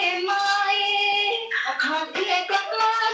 เก็บเงินได้เข้าไหร่แล้วที่ต้องมาฝ้ามีความของพี่มันหา